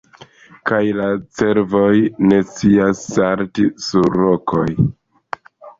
Kaj la cervoj ne scias salti sur rokoj.